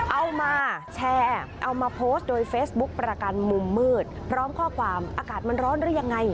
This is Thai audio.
เอามาแชร์เอามาโพสต์โดยเฟซบุ๊คประกันมุมมืดพร้อมข้อความอากาศมันร้อนหรือยังไง